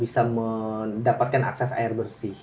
bisa mendapatkan akses air bersih